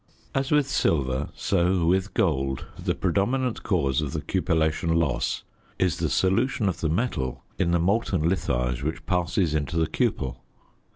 As with silver so with gold the predominant cause of the cupellation loss is the solution of the metal in the molten litharge which passes into the cupel.